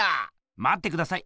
まってください！